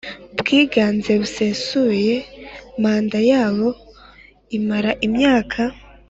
bwiganze busesuye Manda yabo imara imyaka